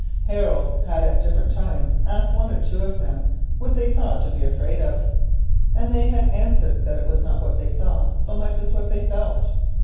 Harold had at different times asked one or two of them what they saw to be afraid of, and they had answered that it was not what they saw so much as what they felt.